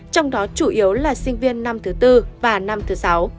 trong đó chủ yếu là sinh viên năm thứ tư và năm thứ sáu